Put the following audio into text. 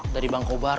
dari bang kobar